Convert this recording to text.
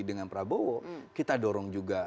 dengan prabowo kita dorong juga